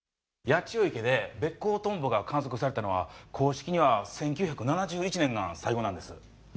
八千代池でベッコウトンボが観測されたのは公式には１９７１年が最後なんです。